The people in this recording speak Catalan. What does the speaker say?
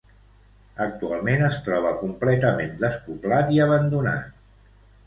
Actualment es troba completament despoblat i abandonat.